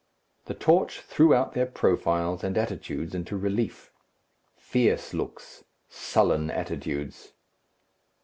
The torch threw out their profiles and attitudes into relief. Fierce looks, sullen attitudes.